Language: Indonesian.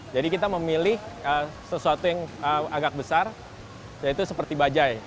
jadi kita memilih sesuatu yang agak besar yaitu seperti bajaj